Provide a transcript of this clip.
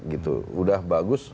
gitu udah bagus